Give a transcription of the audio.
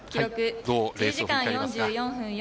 どうレースを振り返りますか？